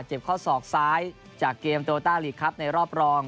ข้อศอกซ้ายจากเกมโตต้าลีกครับในรอบรอง